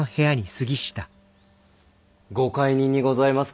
ご懐妊にございますか。